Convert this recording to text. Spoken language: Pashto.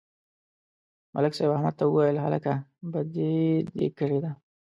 ملک صاحب احمد ته وویل: هلکه، بدي دې کړې ده.